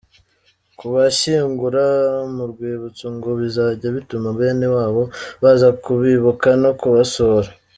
Kubashyingura mu Rwibutso, ngo bizajya bituma bene wabo baza kubibuka no kubasura.